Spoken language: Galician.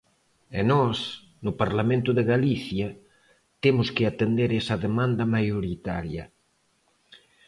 E nós, no Parlamento de Galicia, temos que atender esa demanda maioritaria.